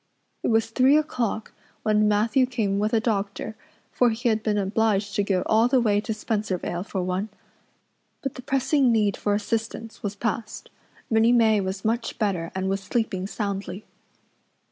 It was three o'clock when Matthew came with a doctor, for he had been obliged to go all the way to Spencervale for one. But the pressing need for assistance was past. Minnie May was much better and was sleeping soundly.